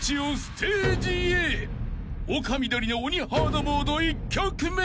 ［丘みどりの鬼ハードモード１曲目］